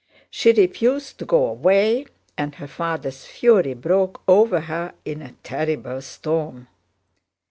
She refused to go away and her father's fury broke over her in a terrible storm.